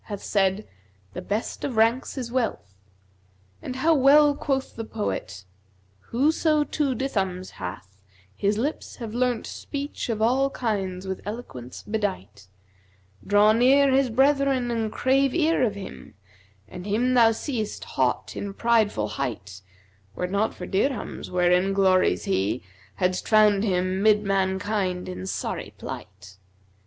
hath said, The best of ranks is wealth. And how well quoth the poet, 'Whoso two dithams hath, his lips have learnt * Speech of all kinds with eloquence bedight: Draw near[FN#236] his brethren and crave ear of him, * And him thou seest haught in pride full height: Were 't not for dirhams wherein glories he, * Hadst found him 'mid man kind in sorry plight.